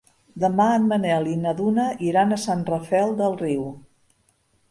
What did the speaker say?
Demà en Manel i na Duna iran a Sant Rafel del Riu.